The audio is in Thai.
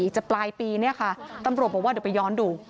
จะปลายปีเนี่ยค่ะตำรวจบอกว่าเดี๋ยวไปย้อนดู